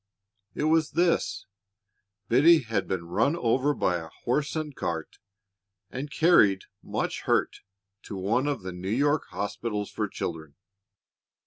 It was this: Biddy had been run over by a horse and cart, and carried, much hurt, to one of the New York hospitals for children.